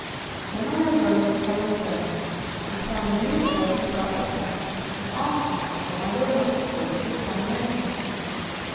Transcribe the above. When I arose the following day, I found many of the boys about the tent, and asked them why they were not at school for the examination.